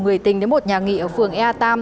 người tình đến một nhà nghỉ ở phường ea tam